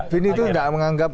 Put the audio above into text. bin itu tidak menganggap